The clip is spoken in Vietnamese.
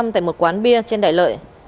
tại một quán bia trên đại lợi